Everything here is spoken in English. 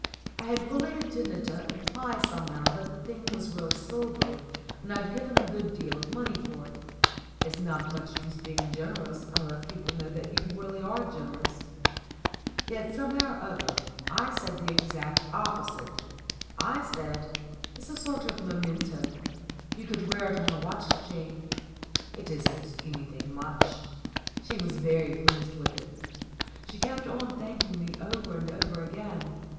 I had fully intended to imply somehow that the thing was real silver and I'd given a good deal of money for it. It's not much use being generous unless people know that you really are generous. Yet somehow or other I said the exact opposite. I said : i8o STORIES WITHOUT TEARS "It's a sort of memento. You could wear it on a watch chain ; it isn't anything much." She was very pleased with it. She kept on thanking me over and over again.